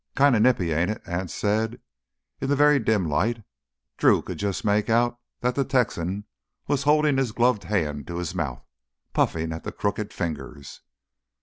"Kinda nippy, ain't it?" Anse said. In the very dim light Drew could just make out that the Texan was holding his gloved hand to his mouth, puffing at the crooked fingers.